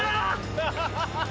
ハハハハ！